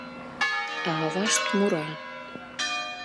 А авашт мура: